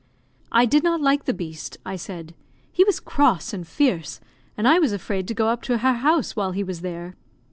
"I did not like the beast," I said; "he was cross and fierce, and I was afraid to go up to her house while he was there."